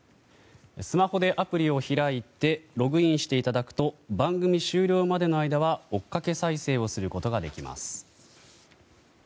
スマホでアプリを開いてログインしていただくと番組終了までの間は追っかけ再生をすることができます。